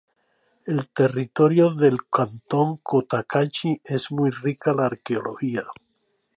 En el territorio del cantón Cotacachi es muy rica la arqueología.